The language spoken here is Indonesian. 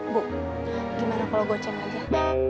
bu gimana kalau gue ceng aja